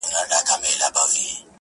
هسي نه چي زه در پسې ټولي توبې ماتي کړم,